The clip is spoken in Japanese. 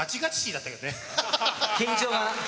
緊張が。